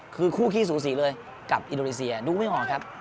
คือคู่ขี้สูสีเลยกับอินโดนีเซียดูไม่ออกครับ